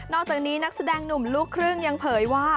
อกจากนี้นักแสดงหนุ่มลูกครึ่งยังเผยว่า